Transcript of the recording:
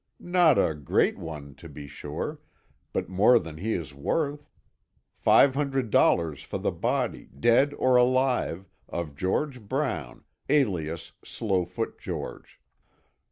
"Not a great one, to be sure, but more than he is worth. Five hundred dollars for the body, dead or alive, of George Brown, alias Slowfoot George.